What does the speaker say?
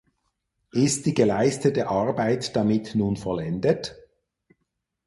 Ist die geleistete Arbeit damit nun vollendet?